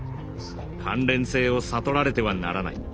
関連性を悟られてはならない。